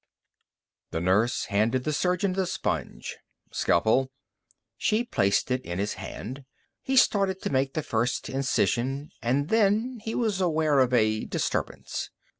The nurse handed the surgeon the sponge. "Scalpel." She placed it in his hand. He started to make the first incision. And then he was aware of a disturbance.